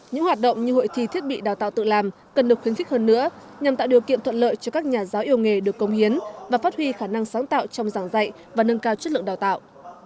những hoạt động như hội thi thiết bị đào tạo tự làm cần được khuyến khích hơn nữa nhằm tạo điều kiện thuận lợi cho các nhà giáo yêu nghề được công hiến và phát huy khả năng sáng tạo trong giảng dạy và nâng cao chất lượng đào tạo